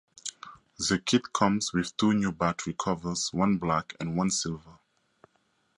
The kit comes with two new battery covers, one black and one silver.